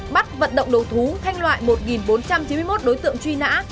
bắt vận động đầu thú thanh loại một bốn trăm chín mươi một đối tượng truy nã